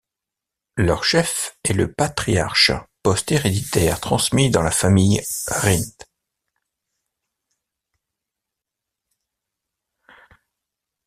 Leur chef est le Patriarche, poste héréditaire transmis dans la famille Rrint.